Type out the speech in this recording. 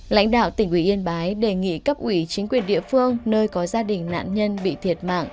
lãnh đạo tỉnh ủy yên bái đề nghị cấp ủy chính quyền địa phương nơi có gia đình nạn nhân bị thiệt mạng